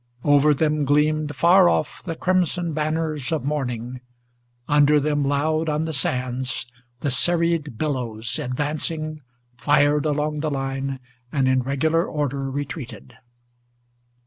Over them gleamed far off the crimson banners of morning; Under them loud on the sands, the serried billows, advancing, Fired along the line, and in regular order retreated.